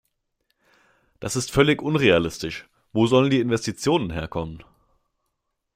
Das ist völlig unrealistisch wo sollen die Investitionen herkommen?